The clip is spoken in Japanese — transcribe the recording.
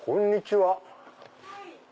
はい。